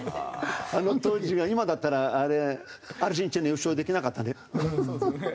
あの当時は今だったらあれアルゼンチン優勝できなかったね。